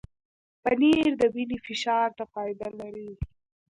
پنېر د وینې فشار ته فایده لري.